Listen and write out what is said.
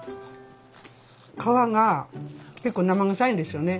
皮が結構生臭いんですよね。